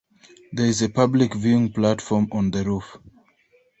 There is a public viewing platform on the roof.